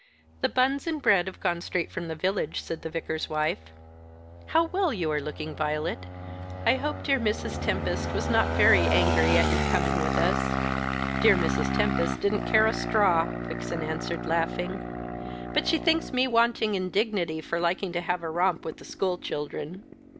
"The buns and bread have gone straight from the village," said the Vicar's wife. "How well you are looking, Violet. I hope dear Mrs. Tempest was not very angry at your coming with us." "Dear Mrs. Tempest didn't care a straw," Vixen answered, laughing. "But she thinks me wanting in dignity for liking to have a romp with the school children."